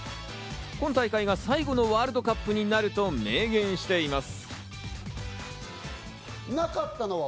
今大会が最後のワールドカップになると明言しています。